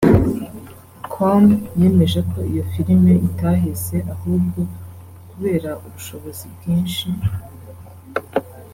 com yemeje ko iyi filime itaheze ahubwo kubera ubushobozi bwinshi